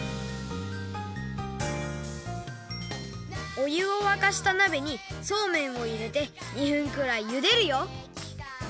おゆをわかしたなべにそうめんをいれて２分くらいゆでるよ！